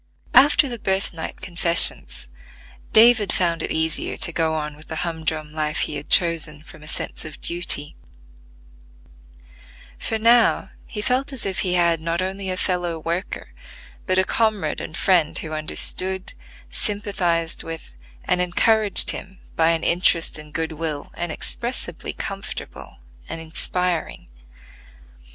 After the birthnight confessions, David found it easier to go on with the humdrum life he had chosen from a sense of duty; for now he felt as if he had not only a fellow worker, but a comrade and friend who understood, sympathized with, and encouraged him by an interest and good will inexpressibly comfortable and inspiring.